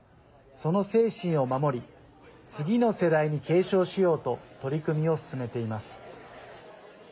その精神を守り次の世代に継承しようと取り組みを進めています。